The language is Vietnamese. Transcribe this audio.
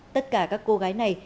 tất cả các cô gái này